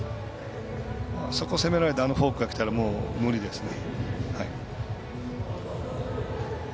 あそこを攻められてフォークがきたらもう無理ですね。